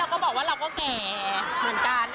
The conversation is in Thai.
ก็บอกว่าเราก็แก่เหมือนกัน